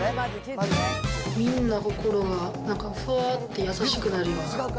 みんなの心がなんか、ふぁーって優しくなるような。